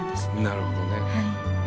なるほどね。